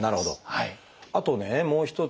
あとねもう一つ